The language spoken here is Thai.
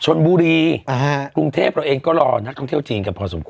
ชนบุรีกรุงเทพเราเองก็รอนักท่องเที่ยวจีนกันพอสมคว